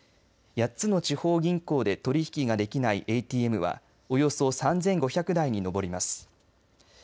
８つの地方銀行で取り引きができないＡＴＭはおよそ３５００台にのぼります。